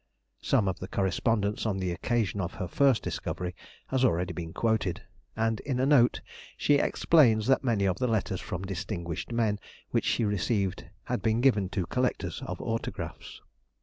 Some of the correspondence on the occasion of her first discovery has already been quoted, and in a note she explains that many of the letters from distinguished men which she received had been given to collectors of autographs.